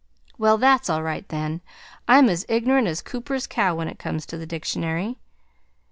"Well, that's all right, then; I'm as ignorant as Cooper's cow when it comes to the dictionary.